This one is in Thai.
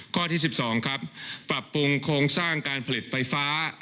ข้อที่๑๒ครับปรับปรุงโครงสร้างการผลิตไฟฟ้า